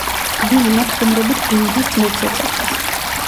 ბილი მათ ხუმრობით ბლუზის ძმებს ეძახის.